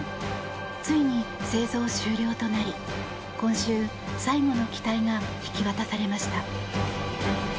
ついに製造終了となり今週、最後の機体が引き渡されました。